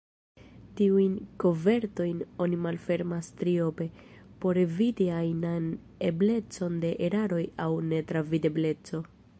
Tiujn kovertojn oni malfermas triope, por eviti ajnan eblecon de eraroj aŭ netravidebleco.